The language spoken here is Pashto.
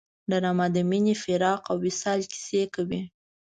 ډرامه د مینې، فراق او وصال کیسې کوي